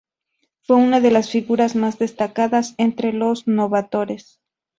Fue una de las figuras más destacadas entre los novatores.